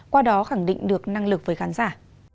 qua đó khẳng định được năng lực với khán giả